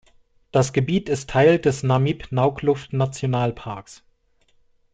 Das Gebiet ist Teil des Namib-Naukluft-Nationalparks.